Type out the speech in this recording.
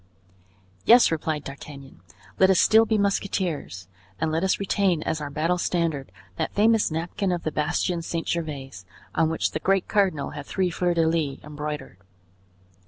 "Yes," replied D'Artagnan, "let us still be musketeers, and let us retain as our battle standard that famous napkin of the bastion St. Gervais, on which the great cardinal had three fleurs de lis embroidered."